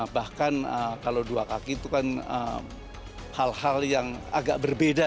bahkan kalau dua kaki itu kan hal hal yang agak berbeda